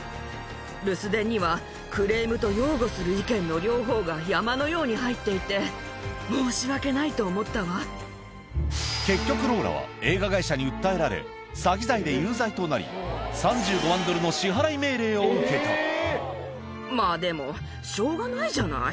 留守電には、クレームと擁護する意見の両方が山のように入っていて、申し訳な結局、ローラは映画会社に訴えられ、詐欺罪で有罪となり、まあ、でもしょうがないじゃない。